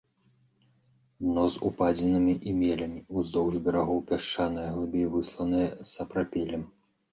Дно з упадзінамі і мелямі, уздоўж берагоў пясчанае, глыбей высланае сапрапелем.